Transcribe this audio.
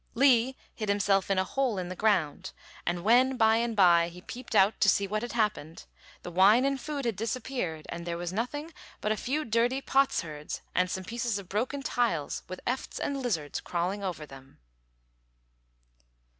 Li hid himself in a hole in the ground; and when by and by he peeped out to see what had happened, the wine and food had disappeared, and there was nothing there but a few dirty potsherds and some pieces of broken tiles with efts and lizards crawling over them.